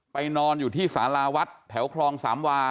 นอนอยู่ที่สาราวัดแถวคลองสามวา